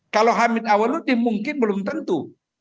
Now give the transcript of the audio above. kalau hamid awaludin mungkin belum tentu